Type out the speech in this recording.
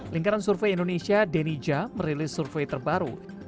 lingkaran survei indonesia deni ja merilis survei terbaru